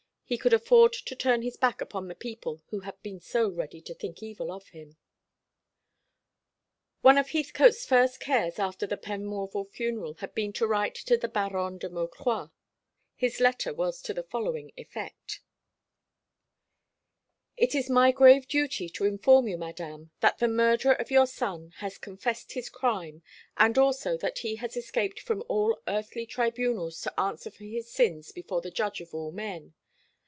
He could afford to turn his back upon the people who had been so ready to think evil of him. One of Heathcote's first cares after the Penmorval funeral had been to write to the Baronne de Maucroix. His letter was to the following effect: "It is my grave duty to inform you, Madame, that the murderer of your son has confessed his crime, and also that he has escaped from all earthly tribunals to answer for his sins before the Judge of all men.